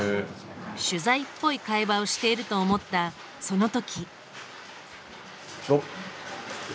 取材っぽい会話をしてると思ったその時。